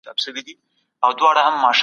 ميراثي پاچاهي په هغه وخت کي دود وه.